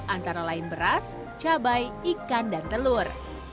antara lain beras cabai ikan dan telur